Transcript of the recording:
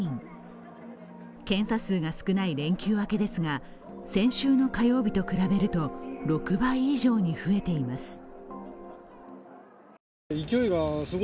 検査数が少ない連休明けですが先週の火曜日と比べると６倍以上に増えています。